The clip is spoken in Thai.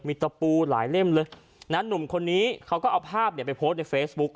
มีตะปูหลายเล่มเลยนะหนุ่มคนนี้เขาก็เอาภาพเนี่ยไปโพสต์ในเฟซบุ๊ค